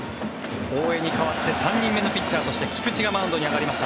大江に代わって３人目のピッチャーとして菊地がマウンドに上がりました。